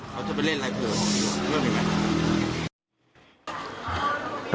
เราจะไปเล่นอะไรเผื่อเลิกยังไง